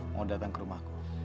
mau datang ke rumahku